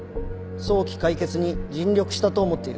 早期解決に尽力したと思っている。